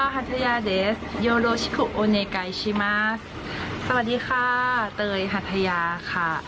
ฮัทยาเดสยอโรชิคโอเนกัยชิมาสสวัสดีค่ะเตยฮัทยาค่ะ